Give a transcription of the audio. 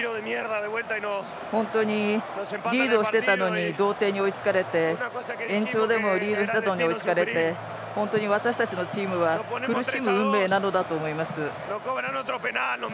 本当に、リードしていたのに同点に追いつかれて延長でもリードしていたのに追いつかれて本当に私たちのチームは苦しい運命なのだと思います。